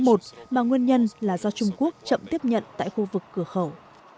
mà nguyên nhân là do trung quốc chậm tiếp nhận tại khu vực cửa khẩu